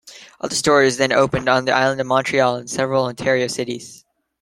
Other stores then opened on the island of Montreal, and several Ontario cities.